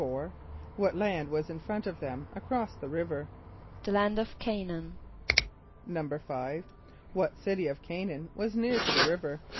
= What land was in front of them across the river? =The land of C[=a]´n[)a]an.= =5.= What city of C[=a]´n[)a]an was near to the river?